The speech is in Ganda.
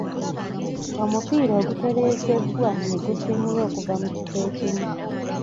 Omupiira ogutereezebbwa ne gusimulwa okuva mu kifo ekimu.